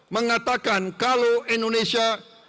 mengatakan kalau indonesia